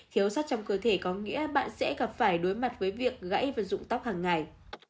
thiếu sắt trong cơ thể có nghĩa bạn sẽ gặp phải đối mặt với việc gãy và dụng tóc hàng ngày